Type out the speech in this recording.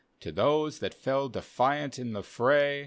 To those that fell defiant in the fray.